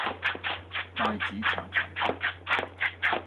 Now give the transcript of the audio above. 帶子腸粉